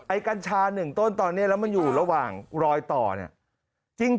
กัญชา๑ต้นตอนนี้แล้วมันอยู่ระหว่างรอยต่อเนี่ย